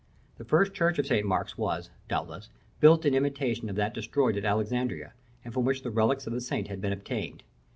The first church of St. Mark's was, doubtless, built in imitation of that destroyed at Alexandria, and from which the relics of the saint had been obtained.